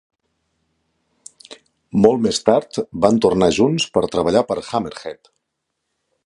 Molt més tard van tornar junts per treballar per Hammerhead.